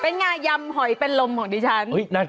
งายำหอยเป็นลมของดิฉัน